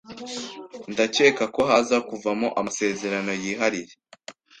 ndacyeka ko haza kuvamo amasezerano yihariye,